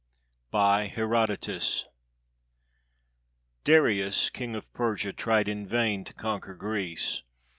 ] BY HERODOTUS [Darius, King of Persia, tried in vain to conquer Greece.